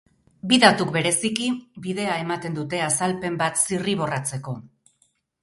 Bi datuk, bereziki, bidea ematen dute azalpen bat zirriborratzeko.